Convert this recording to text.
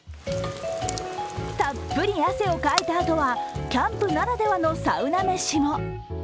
たっぷり汗をかいたあとはキャンプならではのサウナ飯も。